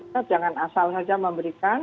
kita jangan asal saja memberikan